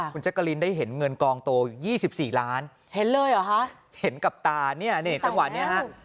คุณแจ๊กกะลินได้เห็นเงินกองโต๒๔ล้านเห็นเลยเหรอคะเห็นกับตาเนี่ยนี่จังหวะนี้ฮะ